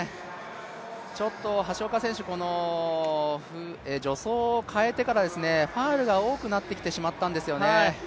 ちょっと橋岡選手、助走を変えてから、ファウルが多くなってきてしまったんですよね。